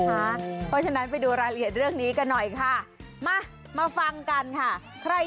เพราะฉะนั้นไปดูรายละเอียดเรื่องนี้กันหน่อยค่ะ